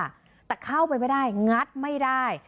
แต่เข้าไปไม่ได้งัดไม่ได้